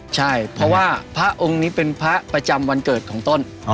ใช่เพราะว่าพระองค์นี้เป็นพระประจำวันเกิดของต้น